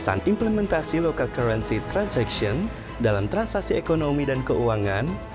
berdasarkan implementasi local currency transaction dalam transaksi ekonomi dan keuangan